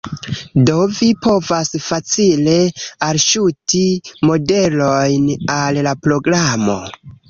Do vi povas facile alŝuti modelojn al la programo